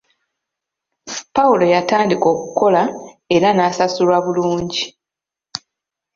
Pawulo yatandika okukola era ng'asasulwa bulungi.